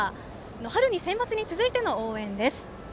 春のセンバツに続いての応援です。